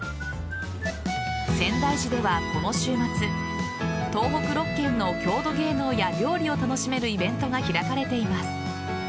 仙台市では、この週末東北６県の郷土芸能や料理を楽しめるイベントが開かれています。